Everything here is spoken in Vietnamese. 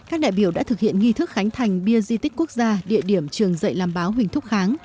các đại biểu đã thực hiện nghi thức khánh thành bia di tích quốc gia địa điểm trường dạy làm báo huỳnh thúc kháng